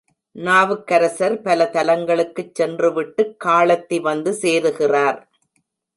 நாவுக்கரசர் பல தலங்களுக்குச் சென்றுவிட்டுக் காளத்தி வந்து சேருகிறார்.